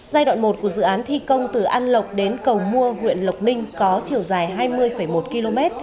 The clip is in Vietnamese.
giai đoạn một của dự án thi công từ an lộc đến cầu mua huyện lộc ninh có chiều dài hai mươi một km